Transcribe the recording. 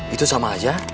itu sama aja